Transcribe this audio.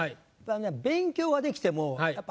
勉強はできてもやっぱ。